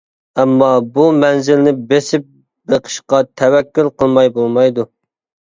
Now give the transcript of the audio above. ئەمما بۇ مەنزىلنى بېسىپ بېقىشقا تەۋەككۈل قىلماي بولمايدۇ.